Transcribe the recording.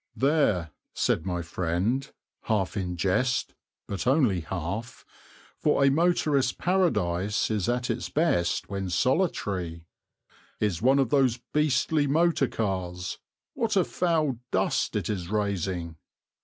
"There," said my friend, half in jest, but only half for a motorist's paradise is at its best when solitary "is one of those beastly motor cars. What a foul dust it is raising!"